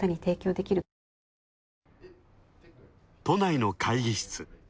都内の会議室。